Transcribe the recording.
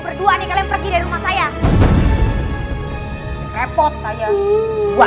berdua nih kalian pergi dari rumah saya